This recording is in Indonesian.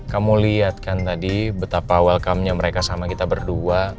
kamu lihat kan tadi betapa welcome nya mereka sama kita berdua